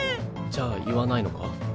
じゃあ言わないのか？